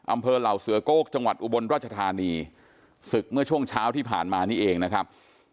อำเภอเหล่าเสือโก้จังหวัดอุบลราชธานีศึกเมื่อช่วงเช้าที่ผ่านมานี่เองนะครับ